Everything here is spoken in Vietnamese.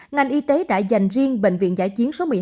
ngành y tế đã dành riêng bệnh viện giã chiến số một mươi hai